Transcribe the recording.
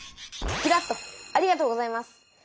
キラッとありがとうございます。